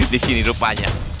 di sini rupanya